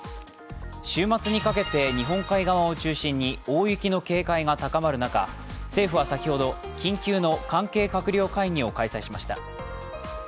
週末にかけて日本海側を中心に大雪の警戒が高まる中、政府は先ほど、緊急の関係閣僚会議を開催しました。